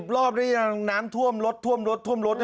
รอบนี้ยังน้ำท่วมรถท่วมรถท่วมรถ